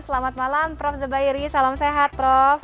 selamat malam prof zubairi salam sehat prof